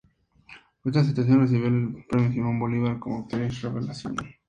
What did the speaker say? Por esta actuación recibió el Premio Simón Bolívar como actriz revelación.